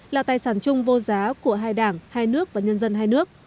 là tài sản chung vô giá của hai đảng hai nước và nhân dân hai nước